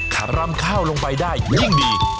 รำข้าวลงไปได้ยิ่งดี